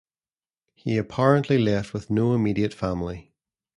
He apparently left no immediate family.